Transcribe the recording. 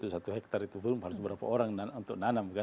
satu hektare itu harus berapa orang untuk nanam kan